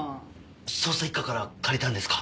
捜査一課から借りたんですか？